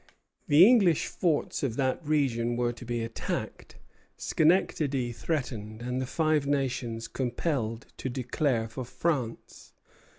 The English forts of that region were to be attacked, Schenectady threatened, and the Five Nations compelled to declare for France.